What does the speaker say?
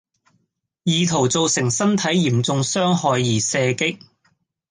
意圖造成身體嚴重傷害而射擊